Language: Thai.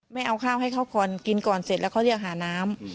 เอาข้าวให้เขาก่อนกินก่อนเสร็จแล้วเขาเรียกหาน้ำ